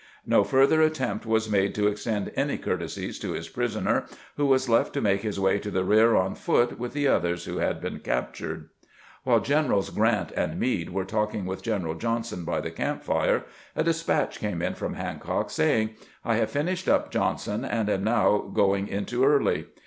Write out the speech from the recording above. No further attempt was made to extend any courtesies to his prisoner, who was left to make his way to the rear on foot with the others who had been captured. "While Generals Grant and Meade were talking with General Johnson by the camp fire, a despatch came in from Hancock, saying, " I have finished up Johnson, and am now going into Early."